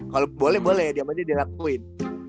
kalau boleh boleh dia ngerakuin